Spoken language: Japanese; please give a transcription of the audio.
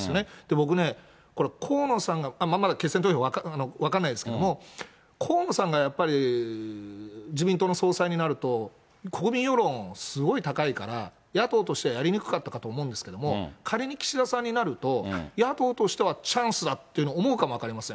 僕ね、これ、河野さんが、まだ決選投票、分かんないですけれども、河野さんが、やっぱり自民党の総裁になると、国民世論、すごい高いから、野党としてはやりにくかったかと思うんですけれども、仮に岸田さんになると、野党としてはチャンスだっていうの、思うかも分かりません。